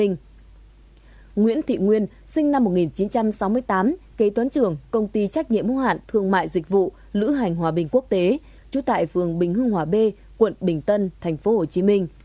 nguyễn thị nguyên sinh năm một nghìn chín trăm sáu mươi tám kế toán trưởng công ty trách nhiệm hữu hạn thương mại dịch vụ lữ hành hòa bình quốc tế trú tại phường bình hưng hòa b quận bình tân tp hcm